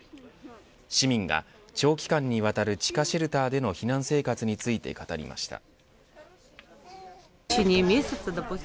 市民が長期間にわたる地下シェルターでの避難生活について語りました。